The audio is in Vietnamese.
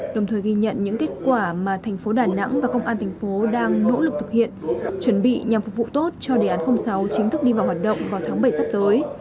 đồng thời ghi nhận những kết quả mà thành phố đà nẵng và công an thành phố đang nỗ lực thực hiện chuẩn bị nhằm phục vụ tốt cho đề án sáu chính thức đi vào hoạt động vào tháng bảy sắp tới